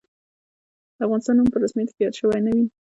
د افغانستان نوم په رسمیاتو کې یاد شوی نه وي.